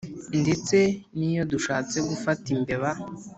Ndetse n’iyo dushatse gufata imbeba